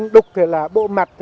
đục thì là bộ mặt